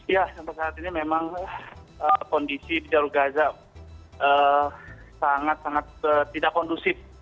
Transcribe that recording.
ya sampai saat ini memang kondisi di jalur gaza sangat sangat tidak kondusif